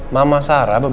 mama sarah beberapa kali